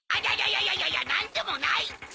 いやいやなんでもないっちゃ！